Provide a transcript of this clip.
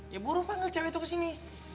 ya buru panggil cewek itu kesini